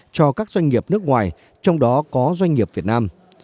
cho các doanh nghiệp nước ngoài trong đó có doanh nghiệp việt nam